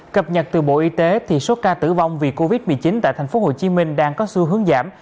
cập nhật từ bộ y tế thì số ca tử vong vì covid một mươi chín tại tp hcm đang có xu hướng giảm